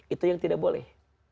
itu yang tidak boleh